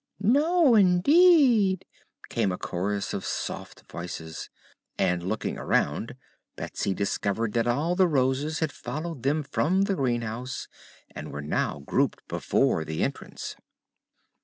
"No, indeed!" came a chorus of soft voices, and looking around Betsy discovered that all the Roses had followed them from the greenhouse and were now grouped before the entrance.